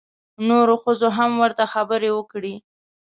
نورو ښځو هم ورته خبرې وکړې.